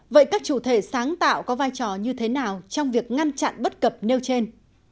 vậy các chủ thể sáng tạo có vai trò như thế nào trong việc ngăn chặn bất cập nêu trên